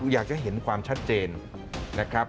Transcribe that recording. อยากจะเห็นความชัดเจนนะครับ